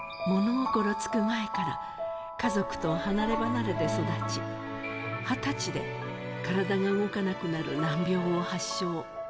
心付く前から家族と離れ離れで育ち、２０歳で体が動かなくなる難病を発症。